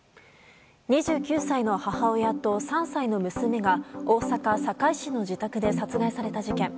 ２９歳の母親と３歳の娘が大阪・堺市の自宅で殺害された事件。